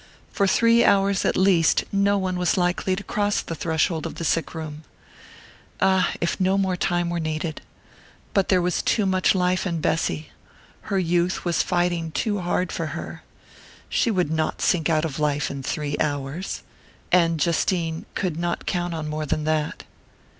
For three hours at least no one was likely to cross the threshold of the sick room.... Ah, if no more time were needed! But there was too much life in Bessy her youth was fighting too hard for her! She would not sink out of life in three hours...and Justine could not count on more than that.